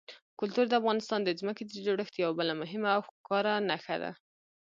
کلتور د افغانستان د ځمکې د جوړښت یوه بله مهمه او ښکاره نښه ده.